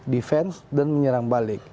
defense dan menyerang balik